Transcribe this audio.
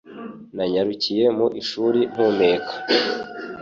Nanyarukiye mu ishuri mpumeka